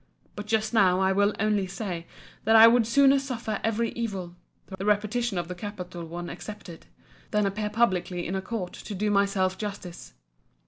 But just now, I will only say, that I would sooner suffer every evil (the repetition of the capital one excepted) than appear publicly in a court to do myself justice.